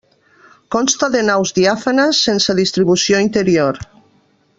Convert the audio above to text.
Consta de naus diàfanes sense distribució interior.